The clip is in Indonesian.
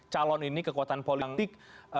calon ini kekuatan politik